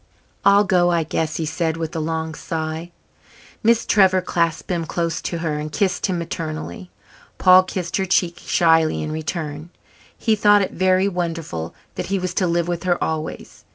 "I'll go, I guess," he said, with a long sigh. Miss Trevor clasped him close to her and kissed him maternally. Paul kissed her cheek shyly in return. He thought it very wonderful that he was to live with her always.